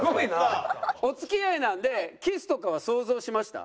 お付き合いなんでキスとかは想像しました？